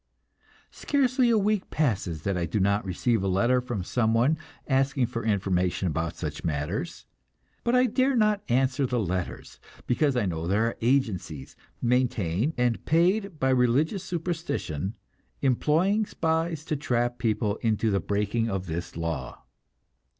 Scarcely a week passes that I do not receive a letter from someone asking for information about such matters; but I dare not answer the letters, because I know there are agencies, maintained and paid by religious superstition, employing spies to trap people into the breaking of this law.